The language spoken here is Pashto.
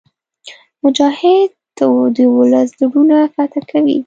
مجاهد د ولس زړونه فتح کوي.